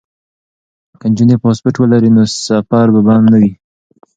که نجونې پاسپورټ ولري نو سفر به بند نه وي.